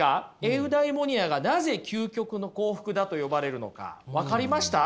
エウダイモニアがなぜ究極の幸福だと呼ばれるのか分かりました？